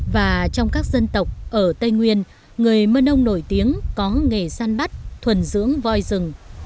và trong các dân tộc ở tây nguyên người mơn ông nổi tiếng có nghề săn bắt thuần dưỡng voi rừng